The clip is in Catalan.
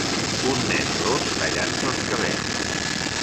Un nen ros tallant-se els cabells.